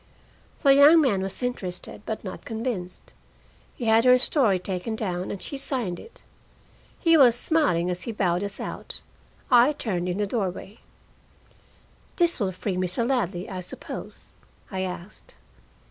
The young man was interested, but not convinced. He had her story taken down, and she signed it. He was smiling as he bowed us out. I turned in the doorway. "This will free Mr. Ladley, I suppose?" I asked.